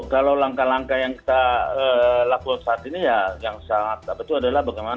kalau langkah langkah yang kita lakukan saat ini ya yang sangat betul adalah bagaimana memanfaatkan daerah daerah sungai ya